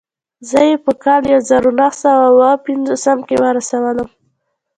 زه يې په کال يو زر و نهه سوه اووه پنځوس کې ورسولم.